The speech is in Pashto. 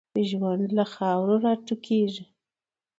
ژوند له خاورو را ټوکېږي.